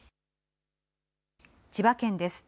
千葉県です。